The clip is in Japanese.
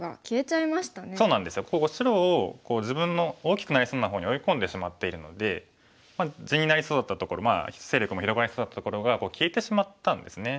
ここ白を自分の大きくなりそうな方に追い込んでしまっているので地になりそうだったところ勢力も広がりそうだったところが消えてしまったんですね。